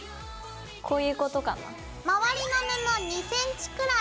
こういうことかな？